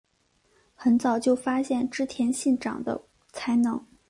很早就发现织田信长的才能。